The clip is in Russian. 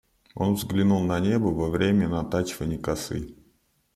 Он взглянул на небо во время натачиванья косы.